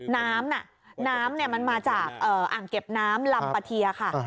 น้ำน่ะน้ำมันมาจากอ่างเก็บน้ำลำปะเทียค่ะ